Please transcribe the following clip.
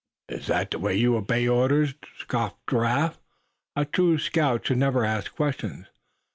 "Is that the way you obey orders?" scoffed Giraffe. "A true scout should never ask questions.